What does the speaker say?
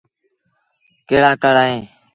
ڪهڙآ ڪهڙ اوهيݩ۔